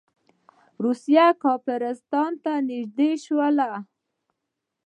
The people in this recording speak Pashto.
روسیې کافرستان ته نږدې شول.